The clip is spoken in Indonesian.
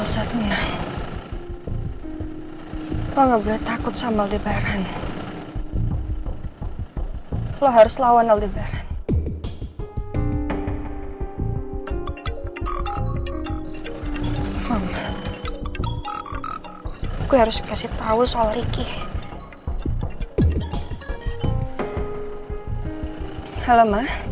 sampai jumpa di video selanjutnya